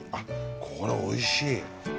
これおいしい。